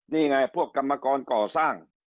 นี่ไงพวกกรรมกรก่อสร้าง